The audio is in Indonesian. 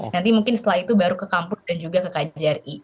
nanti mungkin setelah itu baru ke kampus dan juga ke kjri